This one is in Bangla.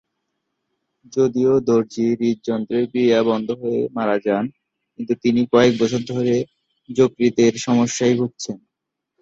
যদিও দর্জি হৃদযন্ত্রের ক্রিয়া বন্ধ হয়ে মারা যান কিন্তু তিনি কয়েক বছর ধরে যকৃতের সমস্যায় ভুগছেন।